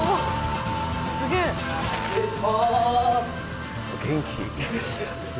失礼しまーす！